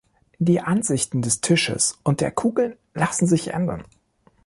Die Ansichten des Tisches und der Kugeln lassen sich ändern.